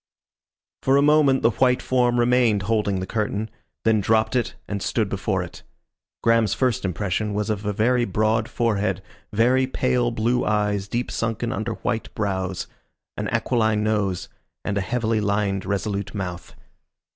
For a moment the white form remained holding the curtain, then dropped it and stood before it. Graham's first impression was of a very broad forehead, very pale blue eyes deep sunken under white brows, an aquiline nose, and a heavily lined resolute mouth.